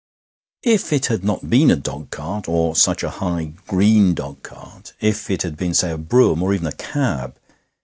If it had not been a dogcart, and such a high, green dogcart; if it had been, say, a brougham, or even a cab!